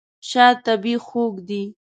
شات طبیعي خوږ دی.